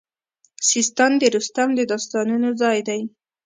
سیستان د رستم د داستانونو ځای دی